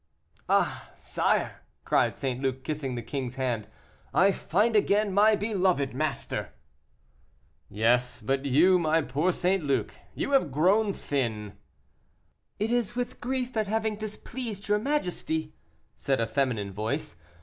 "Ah! sire," cried St. Luc, kissing the king's hand, "I find again my beloved master." "Yes, but you, my poor St. Luc, you have grown thin." "It is with grief at having displeased your majesty," said a feminine voice.